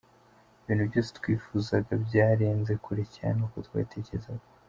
Ibintu byose twifuzaga byarenze kure cyane uko twabitekerezaga.